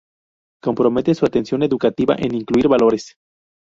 Compromete su acción educativa en incluir valores.